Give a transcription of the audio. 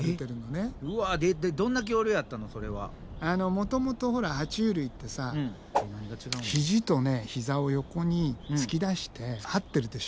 もともとほらは虫類ってさ肘と膝を横に突き出してはってるでしょ。